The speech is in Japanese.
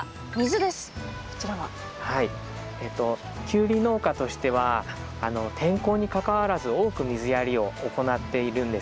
キュウリ農家としては天候にかかわらず多く水やりを行っているんですね。